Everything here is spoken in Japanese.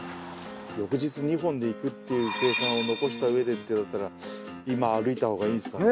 翌日２本でいくっていう計算を残したうえでってなったら今歩いたほうがいいんですかね。